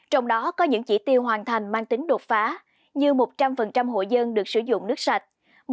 trong đó có những chỉ tiêu hoàn thành mang tính đột phá như một trăm linh hộ dân được sử dụng nước sạch